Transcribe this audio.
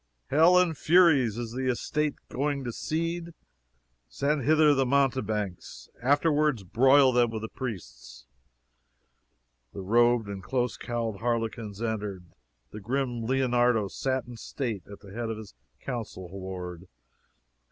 "Hell and furies! Is the estate going to seed? Send hither the mountebanks. Afterward, broil them with the priests." The robed and close cowled harlequins entered. The grim Leonardo sate in state at the head of his council board.